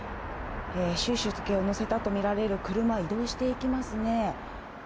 習主席を乗せたと見られる車、移動していきますね。